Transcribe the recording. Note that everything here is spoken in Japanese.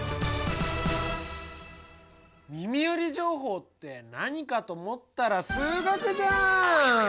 耳寄り情報って何かと思ったら数学じゃん！